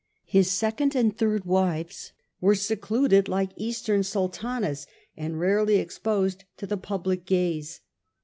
His second and third wives were secluded like Eastern Sultanas, and rarely exposed to the public gaze.